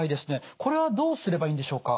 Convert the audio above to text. これはどうすればいいんでしょうか？